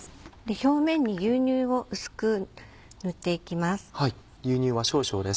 表面に牛乳を薄く塗っていきます。